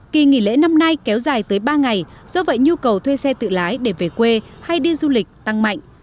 kỳ nghỉ lễ năm nay kéo dài tới ba ngày do vậy nhu cầu thuê xe tự lái để về quê hay đi du lịch tăng mạnh